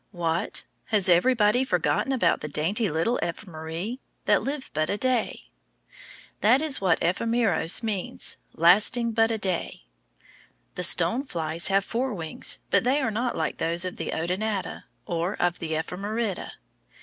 What? Has everybody forgotten about the dainty little ephemeræ, that live but a day? That is what ephemeros means, lasting but a day. The stone flies have four wings, but they are not like those of the Odonata, or of the Ephemerida.